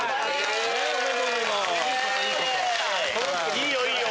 いいよいいよ